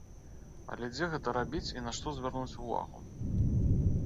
Але дзе гэта рабіць і на што звярнуць увагу?